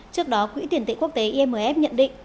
trước đó quỹ tiền tệ quốc tế imf nhận định